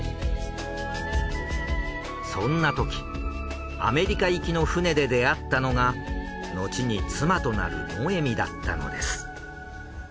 そんなときアメリカ行きの船で出会ったのがのちに妻となるノエミだったのです。